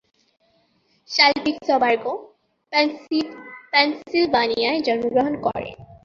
শাল পিটসবার্গ, পেনসিল্ভানিয়ায় জন্মগ্রহণ করেন।